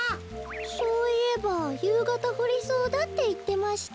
そういえばゆうがたふりそうだっていってました。